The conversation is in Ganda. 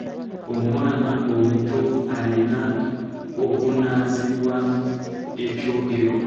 Omwana omuto alina okunaazibwa ekyogero.